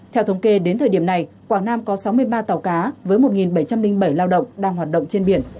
theo thống kê đến thời điểm này quảng nam có sáu mươi ba tàu cá với một bảy trăm linh bảy lao động đang hoạt động trên biển